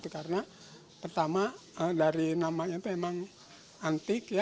karena pertama dari namanya itu memang antik